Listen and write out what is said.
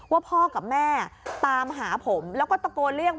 ว่าพ่อกับแม่ตามหาผมแล้วก็ตะโกนเรียก